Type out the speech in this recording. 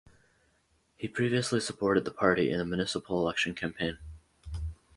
He previously supported the party in the municipal election campaign.